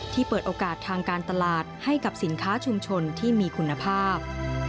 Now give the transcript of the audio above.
เปิดโอกาสทางการตลาดให้กับสินค้าชุมชนที่มีคุณภาพ